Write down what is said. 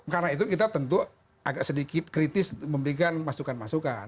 karena itu kita tentu agak sedikit kritis memberikan masukan masukan